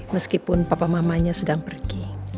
meskipun papa mamanya sedang pergi